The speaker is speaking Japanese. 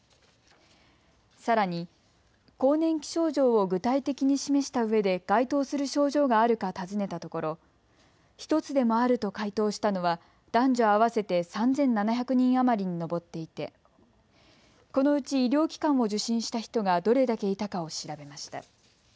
さらに更年期症状を具体的に示したうえで該当する症状があるか尋ねたところ１つでもあると回答したのは男女合わせて３７００人余りに上っていてこのうち医療機関を受診した人がどれだけいたかを調べました。